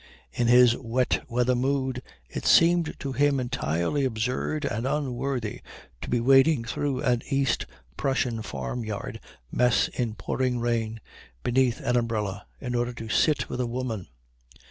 In his wet weather mood it seemed to him entirely absurd and unworthy to be wading through an East Prussian farmyard mess in pouring rain, beneath an umbrella, in order to sit with a woman.